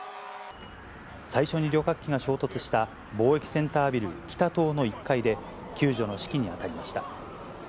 最初に旅客機が衝突した貿易センタービル北棟の１階で救助の指揮に当たりました。